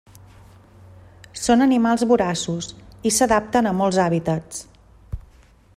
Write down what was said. Són animals voraços i s’adapten a molts hàbitats.